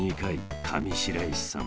［上白石さん